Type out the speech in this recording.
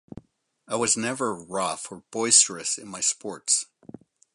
I was never rough or boisterous in my sports.